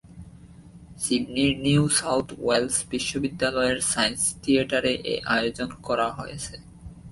সিডনির New South Wales বিশ্ববিদ্যালয়ের science থিয়েটারে এ আয়োজন করা হয়েছে।